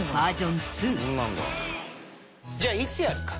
じゃあいつやるか。